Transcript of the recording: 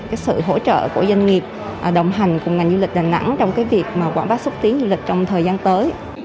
cái sự hỗ trợ của doanh nghiệp đồng hành cùng ngành du lịch đà nẵng trong cái việc mà quảng bá xúc tiến du lịch trong thời gian tới